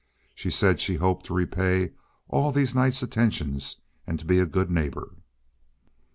She said she hoped to repay all these nice attentions and to be a good neighbor.